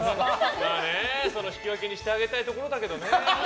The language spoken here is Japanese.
引き分けにしてあげたいところだけどね。